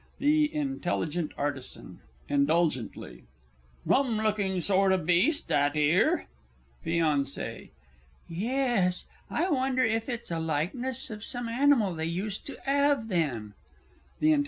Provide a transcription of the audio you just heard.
THE I. A. (indulgently). Rum looking sort o' beast that 'ere. FIANCÉE. Ye es I wonder if it's a likeness of some animal they used to 'ave then? THE I.